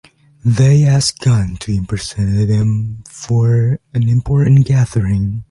They ask Gunn to impersonate him for an important gathering.